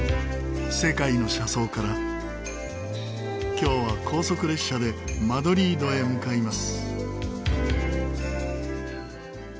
今日は高速列車でマドリードへ向かいます。